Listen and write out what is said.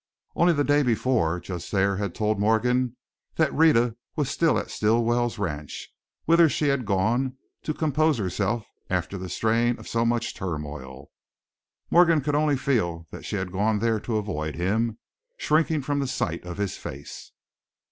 Only the day before Judge Thayer had told Morgan that Rhetta was still at Stilwell's ranch, whither she had gone to compose herself after the strain of so much turmoil. Morgan could only feel that she had gone there to avoid him, shrinking from the sight of his face.